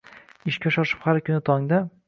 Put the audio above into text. Ishga shoshib har kuni tongda